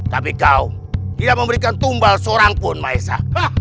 tapi kau tidak memberikan tumbal seorang pun maesa